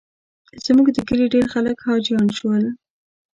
زموږ د کلي ډېر خلک حاجیان شول.